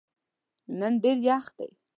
نن ډېر یخ دی.